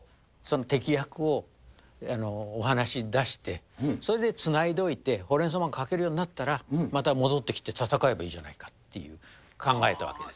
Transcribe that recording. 敵役をお話出して、それでつないでおいて、ほうれん草マン描けるようになったら、また戻ってきて、戦えばいいじゃないかと考えたわけです。